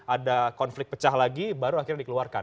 ada konflik pecah lagi baru akhirnya dikeluarkan